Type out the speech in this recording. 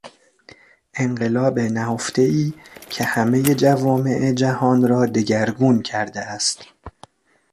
انقلاب نهفتهای که همهی جوامع جهان را دگرگون کرده است